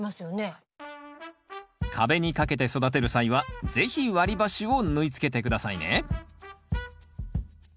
壁に掛けて育てる際は是非割り箸を縫い付けて下さいねさあ